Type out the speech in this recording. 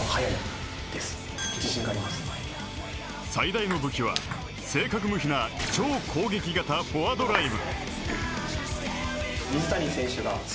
最大の武器は正確無比な超攻撃型フォワードドライブ。